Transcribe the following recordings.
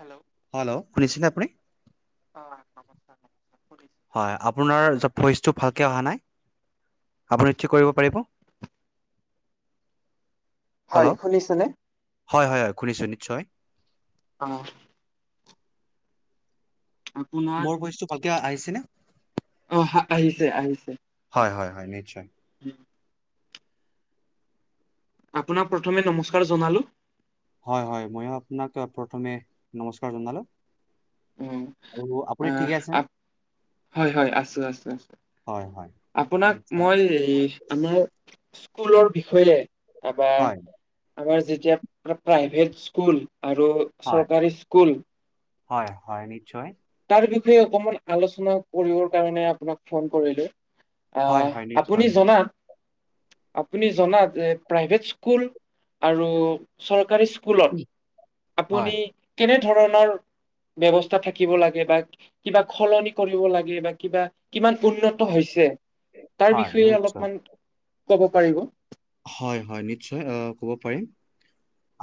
Hello hello শুনিছিলনে আপুনি। অ নমস্কাৰ, নমস্কাৰ। হয়, আপোনাৰ ভইচটো ভালকে অহা নাই। আপুনি কি কৰিব পাৰিব হয় হেল্ল' শুনিছেনে হয় হয় হয় খুনিছোঁ নিশ্চয় অ আপোনাক এতিয়া আহিছেনে অহ আহিছে আহিছে হয় হয় হয় নিশ্চয় উম আপোনাক প্ৰথমে নমস্কাৰ জনালোঁ হয় হয় ময়ো আপোনাক প্ৰথমে নমস্কাৰ জনালোঁ অ আহ ঠিকে আ আছেনে? হয় হয় আছো আছো আছো হয় হয়। আপোনাক নিশ্চয় মই আমাৰ স্কুলৰ বিষয়ে আমাৰ হয় আমাৰ যেতিয়া প্ৰাই প্ৰাইভেট স্কুল আৰু হয় চৰকাৰী স্কুল হয় হয় নিশ্চয় তেনেকৈয়ে অকমান আলোচনা কৰিবৰ কাৰণে আপোনাক ফোন কৰিলোঁ হয় আহ হয় আপুনি নিশ্চয়। জনাত আপুনি জনাত এ প্ৰাইভেট স্কুল আৰু চৰকাৰী স্কুল স্কুলত আপুনি হয় কেনে ধৰণৰ ব্যৱস্থা শিকিব লাগে বা কিবা সলনি কৰিব লাগে বা কিবা কিমান উন্নত হৈছে তাৰ হয় বিষয়ে নিশ্চয় অলপমান কব পাৰিব হয় হয় নিশ্চয় আ কব পাৰিম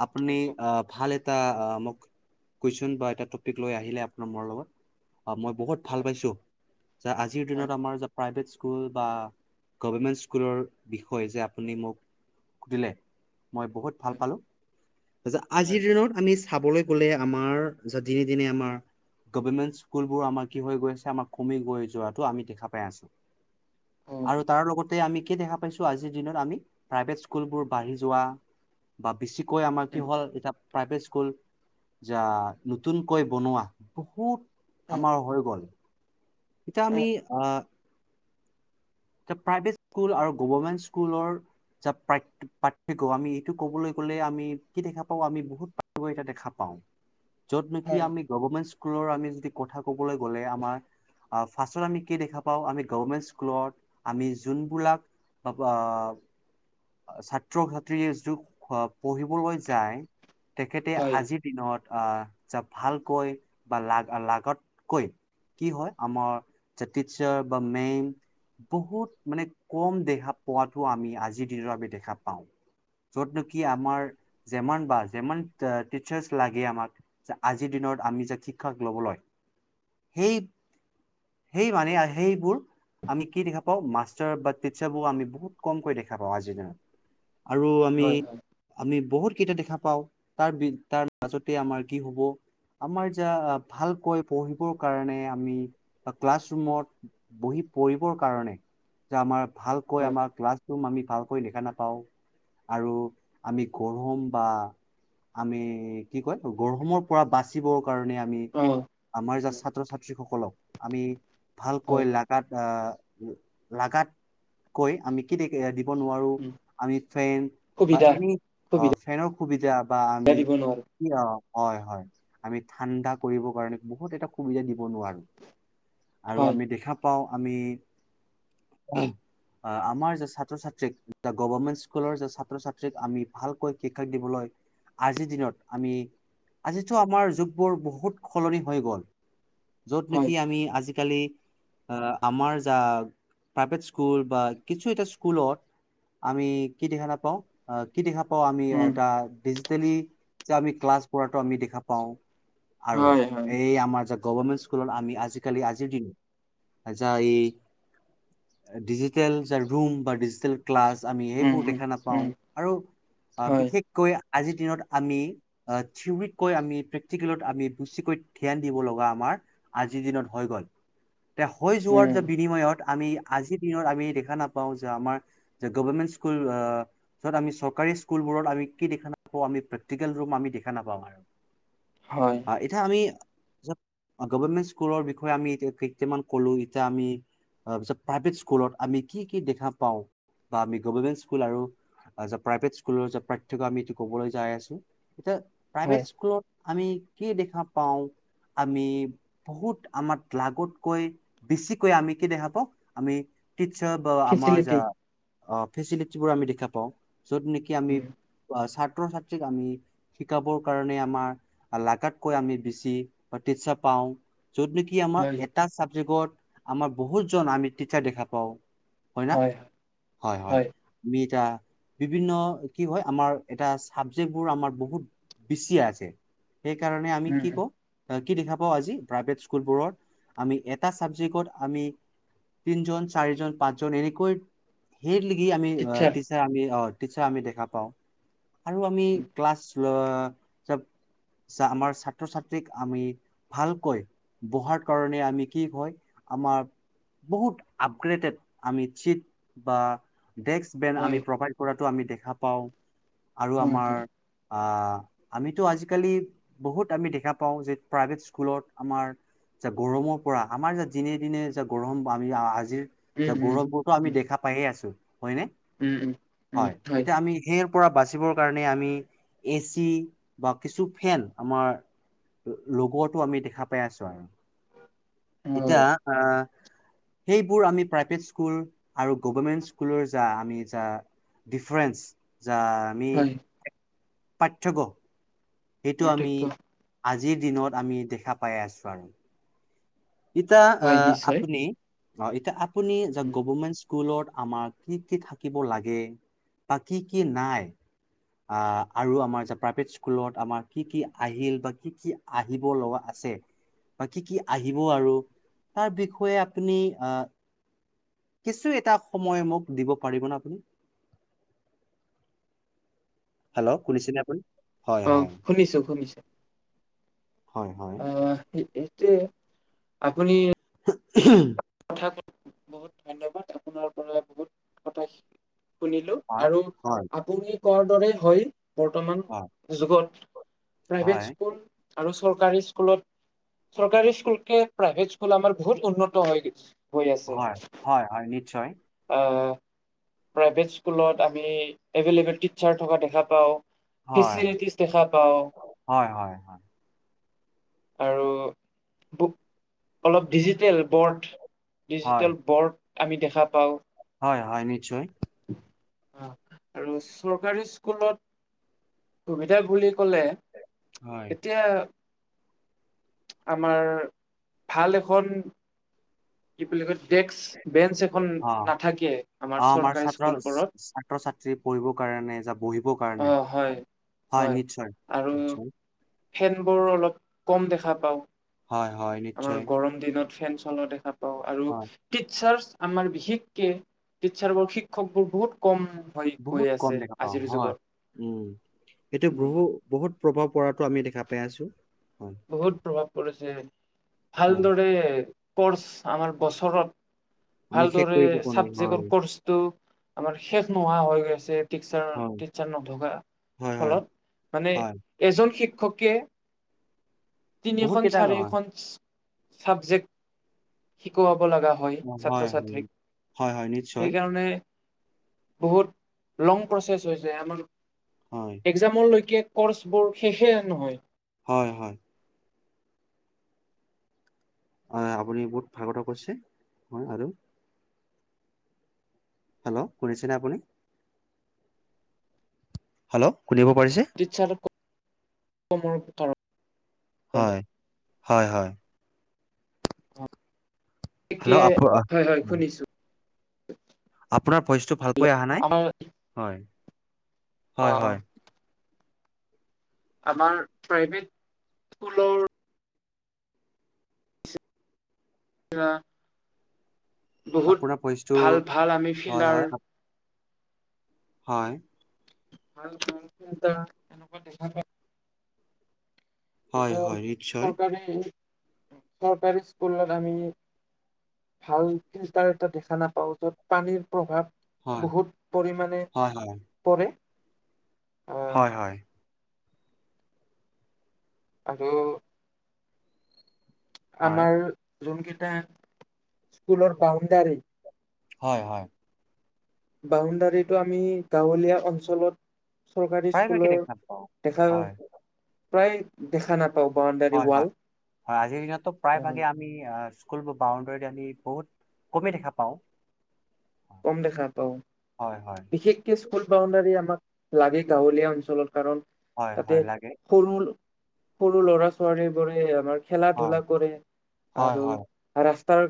আপুনি হয় কওক আ ভাল আ আ মোক কোৱেচ্ছন বা এটা টপিক লৈ আহিলে আপুনি মোৰ লগত অ মই বহুত হয় ভাল পাইছোঁ যা আজিৰ হয় দিনত আমাৰ যে প্ৰাইভেট স্কুল বা গভৰ্ণমেণ্ট স্কুলৰ বিষয় যে শুনি মোক সুধিলে মই বহুত ভাল হয় পালো আচ্ছা হয় হয় আজিৰ দিনত আমি চাবলৈ গ'লে আমাৰ যা দিনে দিনে আমাৰ গভৰ্ণমেণ্ট স্কুলবোৰ আমাৰ কি হৈ গৈ [unintelligible] আমাৰ কমি গৈ যোৱাটো আমি দেখা পাই আছো। উম অ আৰু তাৰ লগতে আমি কি দেখা পাইছো আজি আজিৰ দিনত আমি প্ৰাইভেট স্কুলবোৰ বাঢ়ি যোৱা বা বেছিকৈ আমাৰ কি হ'ল এতিয়া প্ৰাইভেট স্কুল যা নতুনকৈ বনোৱা বহুত আমাৰ হৈ গ'ল এতিয়া আমি আহ এতিয়া প্ৰাইভেট স্কুল আৰু গভৰ্ণমেণ্ট স্কুলৰ যে পাৰ্থক্য পাৰ্থক্য আমি এইটো ক'বলৈ গ'লে আমি কি দেখা পাওঁ আমি বহুত পাৰ্থক্য এতিয়া দেখা পাওঁ য'ত নেকি হয় আমি গভৰ্ণমেণ্ট স্কুলৰ আমি যদি কথা কবলৈ গ'লে আমাৰ আ ফাৰ্ষ্টত আমি কি দেখা পাওঁ আমি গভৰ্ণমেণ্ট স্কুলত আমি যোনবিলাক আহ ছাত্ৰ ছাত্ৰী য'ত পঢ়িবলৈ যায় তেখেতে হয় আজিৰ দিনত আহ যাহ ভালকৈ বা লাগ লাগতকৈ কি হয় আমাৰ চ্চা টিচাৰ বা মেম বহুত মানে কম দেখা পোৱাটো আমি আজিৰ দিনৰ আমি দেখা পাওঁ য'ত নেকি আমাৰ যেমান বা যেমান আ টিচাৰ্চ লাগে আমাক আজিৰ দি আমি যে শিক্ষা ল'বলৈ সেই সেই মানে আ সেইবোৰ আমি কি দেখা পাওঁ ‌মাষ্টাৰ বা টিচাৰবোৰ আমি বহুত কমকৈ দেখা পাওঁ আজিৰ দিনত আৰু আমি হয় হয় আমি বহুত সেই যে দেখা পাওঁ তাৰ বি তাৰ মাজতে আমাৰ কি হ'ব আমাৰ যা ভালকৈ পঢ়িবৰ কাৰণে আমি ক্লাছৰুমত বহি পঢ়ি সেইবোৰ কাৰণে যে আমাৰ ভালকৈ হয় আমাৰ ক্লাচ আমি ভালকৈ দেখা নাপাওঁ আৰু আমি গৰম বা আমি কি কয় গৰমৰ পৰা বাচিব কাৰণে আমি অ আমাৰ যা উম, ছাত্ৰ ছাত্ৰীসকলক আমি হয় ভালকৈ লাগাতকৈ আমি কে ন উম আমি ফেন বা সুবিধা এনে অ সুবিধা ফেনৰ সুবিধা বা আমি দিব নোৱাৰো কি অ হয় হয় আমি ঠাণ্ডা কৰিবৰ কাৰণে বহুত এটা সুবিধা দিব নোৱাৰো আৰু হয় আমি দেখা পাওঁ আমি আমাৰ যে ছাত্ৰ ছাত্ৰীক গভৰ্মেণ্ট স্কুলৰ যে ছাত্ৰ ছাত্ৰীক আমি ভালকৈ শিক্ষা দিবলৈ আজিৰ দিনত আমি আজিতো আমাৰ যুগবোৰ বহুত সলনি হৈ গ'ল যত হয় নেকি আমি আজিকালি আমাৰ যা প্ৰাইভেট স্কুল বা কিছু এটা স্কুলত আমি কি দেখ নাাপাওঁ কি দেখা পাও আমি এ উম ডিজিটেলি যে আমি ক্লাছ কৰাটো আমি দেখা পাওঁ আৰু হয় হয় এই আমাৰ গভৰ্মেণ্ট স্কুলত আমি আজিকালি আজিৰ দিনত যাই ডিজিটেল যে ৰৰু বা ডিজিটেল ক্লাছ আমি উম সেইবোৰ উম দেখা নাপাওঁ উম আৰু অ হয় বিশেষকৈ আজিৰ দিনত আমি থেওৰীতকৈ আমি প্ৰেক্টিকেলত আমি বেছিকৈ ধ্যান দিব লগা আমাৰ আজিৰ দিনত হৈ গল তে হৈ যোৱাৰ উম যে বিনিময়ত আমি আজিৰ দিনত আমি দেখা নাপাওঁ যে আমাৰ যে গভৰ্মেন্ত স্কুল যত আমি চৰকাৰী স্কুলবোৰত আমি কি দেখা নাপওঁ আমি প্ৰেক্টিকেল ৰুম আমি দেখা নাপাম আৰু হয় অ এতিয়া আমি গভমেণ্ট স্কুলৰ বিষয়ে আমি এতিয়া কেইটামান কলো এতিয়া আমি তাৰ পিছত প্ৰাইভেট স্কুলত আমি কি কি দেখা পাওঁ বা আমি গভমেন্ট স্কুল আৰু প্ৰাইভেট স্কুলৰ পাৰ্থক্য আমিটো কবলৈ যাই আছো এতিয়া প্ৰাইভেট হয় স্কুলত আমি কি দেখা পাওঁ। আমি বহুত আমাক লাগতকৈ বেছিকৈ আমি কি দেখা পাওঁ আমি টিৎসৰ বা আমাৰ যা ফেচিলিটি অ ফেচিলেটিবোৰ আমি দেখা পাওঁ যত নেকি আমি উম, ছাত্ৰ ছাত্ৰীক আমি শিকাব কাৰণে আমাৰ লাগাতকৈ আমি বেছি আমি বেছি উৰ্তিচ্চা পাওঁ অহ যত নেকি আমাৰ হয় এটা চাবজেক্টত আমাৰ বহুত জন আমি তিৎসাৰ দেখা পাও হয় ন হয় হয় মিটা বিভিন্ন কি হয় আমাৰ এটা চাবজেক্টবোৰ আমাৰ বহুত বেছি আছে সেইকাৰণে আমি উম কি উম কওঁ কি দেখা পাওঁ আজি প্ৰাইভেট স্কুলবোৰত আমি এটা ছাবজেক্টত আমি তিনজন চাৰিজন পাঁচজন এনেকৈ সেই লৈকে আমি টিচাৰ টিৎসাৰ আমি দেখা পাওঁ আৰু আমি ক্লাছ আমাৰ ছাত্ৰ ছাত্ৰীক আমি ভালকৈ বহাৰ কাৰণে আমি কি হয় আমাৰ বহুত আপগ্ৰেডেড আমি চিত বা ডেস্ক বেন হয় আমি প্ৰভাইড কৰাতটো আমি দেখা পাওঁ আৰু হয় আমাৰ হয় আহ আমিতো আজিকালি বহুত আমি দেখা পাওঁ যে প্ৰাইভেট স্কুলত আমাৰ যে গৰমৰ পৰা আমাৰ যা দিনে দিনে যে গৰম আমি আজিৰ যে উম উম গৰমবোৰতো আমি উম দেখা পাইয়ে আছো হয়নে উম উম উম হয় তেতিয়া আমি সেই পৰা বাচিবৰ কাৰণে আমি এচি বা কিছু ফেন আমাৰ লগতো আমি দেখা পাই আছো আৰু এতিয়া হয় আহ সেইবোৰ আমি প্ৰাইভেট স্কুল আৰু গভমেন্ট স্কুলৰ যা আমি যা ডিফ্ৰেন্স য আমি হয় পাৰ্থক্য সেইটো আমি পাৰ্থক্য আজিৰ দিনত আমি দেখা পাই আছোঁ আৰু এতিয়া অ হয় নিশ্চয় আপুনি অ এতিয়া আপুনি য উম, গভমেট স্কুলত আমাৰ কি কি থাকিব লাগে বা কি কি নাই আহ আৰু আমাৰ প্ৰাইভেট স্কুলত আমাৰ কি কি আহিল বা কি কি আহিব লগা আ বা কি কি আহিব আৰু তাৰ বিষয়ে আপুনি আহ কিছু এটা সময় মোক দিব পাৰিবনে আপুনি হেল্ল' শুনিছিলে আপুনি হয় অ হয় শুনিছো শুনিছো হয় হয় অ এয়টোৱে আপুনি উ কথা বহুত ধন্যবাদ আপোনাৰ পৰা বহুত কথা শিক শুনিলো হয় আৰু হয় আপুনি কোৱাৰ দৰে হয় বৰ্তমান হয় যুগত প্ৰাইভেট হয় স্কুল আৰু চৰকাৰী স্কুলত চৰকাৰী স্কুল কে প্ৰাইভেট স্কুল আমাৰ বহুত উন্নত হৈ গ হৈ আছে হয় হয় হয় নিশ্চয় আহ প্ৰাইভেট স্কুলত আমি এভলেবল টিচাৰ থকা দেখা পাও হয় ফেচিলিটিছ দেখা পাও হয় হয় হয় আৰু অলপ ডিজিটেল বৰ্ড হয় ডিজিটেল বৰ্ড আমি দেখা পাওঁ হয় হয় নিশ্চয় অ আৰু চৰকাৰী স্কুলত সুবিধা বুলি কলে হয় এতিয়া আমাৰ ভাল এখন কিপ ডে্ক বেঞ্চ এখন অ নাথাকে আমাৰ চৰকাৰী স্কুলবোৰত কাৰ পঢ়িবৰ অ কাৰনে হয় হয় নিশ্চয় আৰু নিশ্চয়। ফেনবোৰ অলপ কম দেখা পাওঁ। হয় হয় আমাৰ নিশ্চয়। গৰম দিনত ফেন চলোৱা দেখা পাওঁ আৰু হয়, কিঽ স্বাজ আমাৰ বিশেষকে টিচাৰ বোৰ শিক্ষক বোৰ বহুত কম হৈ বহুত গৈ আছে আজিৰ যুগত সটো উম, বহু বহুত প্ৰভাৱ পৰাতো আমি দেখা পাই আছো। হয়, বহুত প্ৰভাৱ পৰিছে হয়, ভালদৰে কৰ্চ আমাৰ বছৰত আমি শেষ ভালদৰে কৰিব পৰা নাই হয়, চাবজেক্ৰ কৰ্চটো আমাৰ শেষ নোহোৱা হৈ গৈছে। হয়, টিচাৰ নথকা হয়, হয়। ফলত মানে হয়, এজন শিক্ষকে বহুত তিনিখন কেইটা হয়, হয়। চাৰিখন ছাবজেক্ট শিকোৱাব লগা হয় ছাত্ৰ ছাত্ৰীক হয়, হয়, নিশ্চয় সেইকাৰণে বহুত লং প্ৰচেছ হৈছে আমাৰ হয়, এক্জামলৈকে কৰ্চ বোৰ শেষে নহয়। হয় হয়। অ আপুনি বহুত ভাগত কৰিছে হ আৰু হেল্ল' শুনিছেনে আপুনি হেল্ল' শুনিব পাৰিছে। [inaudible] কাৰণে হয়, হয়, হয়। গতিকে, হেল্ল' আপ হয়, হয়, শুনিছো। আপোনাৰ ভইচটো ভালকৈ অহা নাই। আমাৰ হয়, হয়, অ' হয়। আমাৰ প্ৰাইভেট স্কুলৰ বহুত আপোনাৰ ভইচটো ভাল ভাল আমি হয়, ফিল্ডাৰ হয়, আপ- হয়। ভাল ভাল চা এনেকুৱা দেখা পায় হয়, এইটো হয়, নিশ্চয় চৰকাৰী, চৰকাৰী স্কুলত আমি ভাল ফিল্টাৰ এটা দেখা নাপাও য'ত পানীৰ। প্ৰভাৱ হয়। বহুত পৰিমাণে হয়, হয়, পৰে। আহ হয়, হয়। আৰু হয়। আমাৰ যোনকেইটা স্কুলৰ বাউণ্ডাৰী হয়, হয়। বাউণ্ডাৰীটো আমি গাঁৱলীয়া অঞ্চলত চৰকাৰী প্ৰায়ভাগে স্কুলৰ দেখা পাওঁ। দেখা হয়, প্ৰায়, দেখা নথা হয়, হয়। হয় আজিৰ দিনতো প্ৰায় ভাগে আমি আহ স্কুলবোৰ বাউণ্ডৰীত আমি বহুত কমেই দেখা পাওঁ। কম দেখা পাও। হয়, হয়, বিশেষকে স্কুল বাউণ্ডাৰী আমাক লাগে। গাঁৱলীয়া অঞ্চলত কাৰণ হয়, তাতে হয়, লাগে। সৰু সৰু ল'ৰা ছোৱালী বোৰে আমাৰ খেলা হয়, ধুলা কৰে হয়, আৰু হয়, ৰাস্ত ৰাস্তাৰ,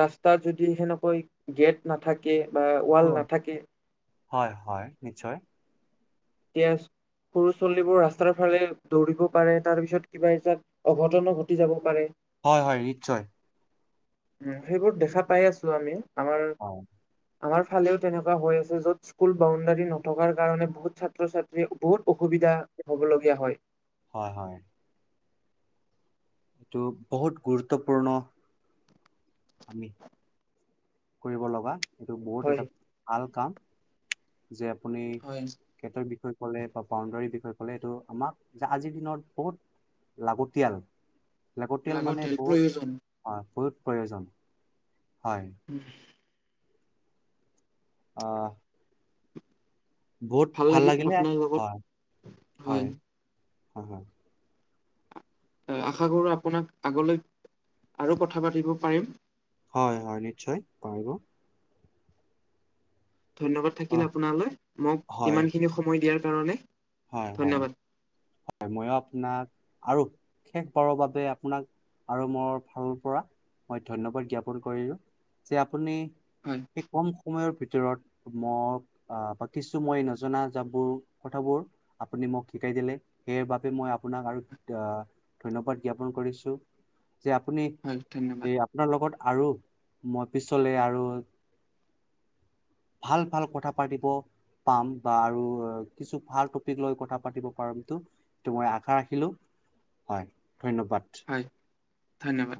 ৰাস্তা যদি সেনেকৈ গেট নাথাকে। বা ৱাল নাথাকে হয়, হয় নিশ্চয়। ইয়েছ। সৰু ছলীবোৰ ৰাস্তাৰ ফালে দৌৰিব পাৰে, তাৰ পিছত কিবা এটাত অঘটন ঘটি যাব পাৰে। হয়, হয় নিশ্চয়। উম, সেইবোৰ দেখা পাই আছো। আমি আমাৰ হয়, আমাৰ ফালেও তেনেকুৱা হৈ আছে য'ত স্কুল বাউণ্ডাৰী নথকাৰ কাৰণে বহুত ছা ছাত্ৰ, ছাত্ৰী বহুত অসুবিধা হবলগীয়া হয়। হয়, হয়। এইটো বহুত গুৰুত্বপূৰ্ণ। আমি কৰিব লগা, এইটো বহুত হয় এটা ভাল কাম। যে আপুনি হয় সিহঁতৰ বিষয়ে কলে, বা বাউণ্ডৰী বিষয়ে কলে, এইটো আমাক যে আজিৰ দিনত বহুত লাগতিয়াল, লাগতিয়াল মানে বহুত, হয় বহুত প্ৰয়োজন। হয়। উম। আ। বহুত ভাল লাগিল লাগিলে, আপোনাৰ লগত হয়, হয়, হয়, হয়। আশা কৰো আপোনাক আগলৈ আৰু কথা পাতিব পাৰিম। হয়, হয়, নিশ্চয় পাৰিব। ধন্যবাদ থাকিল অ', আপোনালৈ, মোক হয়, ইমান খিনি সময় দিয়াৰ কাৰণে। হয়, হয়, ধন্যবাদ হয়। মইও আপোনাক আৰু শেষ ক'ৰবাতে আপোনাক আৰু মোৰ ফালৰ পৰা মই ধন্যবাদ জ্ঞাপন কৰিলো। যে আপুনি হয় সেই কম সময়ৰ ভিতৰত ভিতৰত মোক আহ বা কিছু মই নজনা যাবোৰ কথাবোৰ আপুনি মোক শিকাই দিলে। সেই বাবে মই আপোনাক আৰু ধন্যবাদ জ্ঞাপন কৰিছো। যে আপুনি হয় ধন্যবাদ এই আপোনাৰ লগত আৰু মই পিছলৈ আৰু ভাল, ভাল কথা পাতিব পাম বা আৰু কিছু ভাল লৈ কথা পাতিব পাৰমটো, মই আশা ৰাখিলোঁ, হয়। ধন্যবাদ। হয় ধন্যবাদ